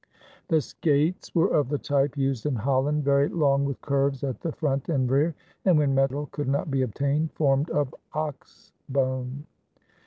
The skates were of the type used in Holland, very long with curves at the front and rear, and, when metal could not be obtained, formed of ox bone.